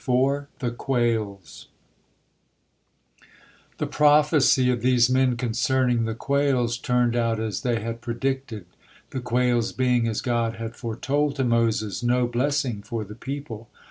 THE QUAILS The prophecy of these men concerning the quails turned out as they had predicted, the quails being, as God had foretold to Moses, no blessing for the people.